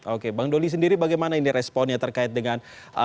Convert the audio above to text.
oke bang doli sendiri bagaimana ini responnya terkait dengan